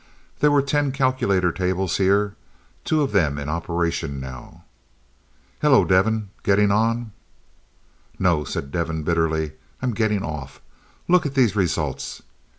There were ten calculator tables here, two of them in operation now. "Hello, Devin. Getting on?" "No," said Devin bitterly, "I'm getting off. Look at these results."